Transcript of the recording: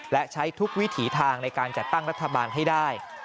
และใช้ทุกวิถีทางในการจัดตั้งรัฐบาลให้ได้